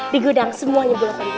di gudang semuanya bola volley